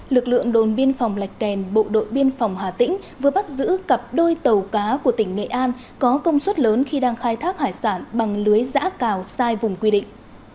lực lượng đồn biên phòng lạch kèn bộ đội biên phòng hà tĩnh vừa bắt giữ cặp đôi tàu cá của tỉnh nghệ an có công suất lớn khi đang khai thác hải sản bằng lưới giã cào sai vùng quy định